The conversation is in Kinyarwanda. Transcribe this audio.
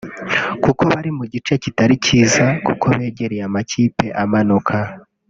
kuko bari mu gice kitari cyiza kuko begereye amakipe amanuka